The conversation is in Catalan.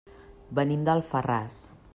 Venim d'Alfarràs.